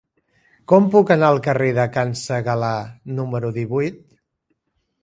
Com puc anar al carrer de Can Segalar número divuit?